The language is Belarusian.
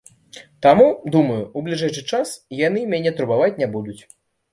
Таму, думаю, у бліжэйшы час яны мяне турбаваць не будуць.